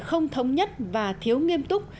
không thống nhất và thiếu nghiêm túc